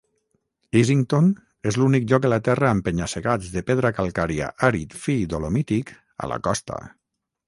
Easington és l'únic lloc a la terra amb penya-segats de pedra calcària Àrid fi dolomític a la costa.